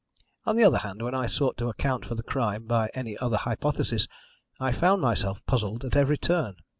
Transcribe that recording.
"On the other hand, when I sought to account for the crime by any other hypothesis I found myself puzzled at every turn.